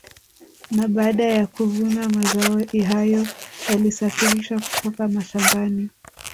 Na baada ya kuvunwa mazao hayo yalisafirishwa kutoka mashamabani